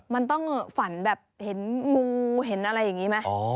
มันต้องฝันแบบเห็นงูเห็นอะไรอย่างนี้ไหม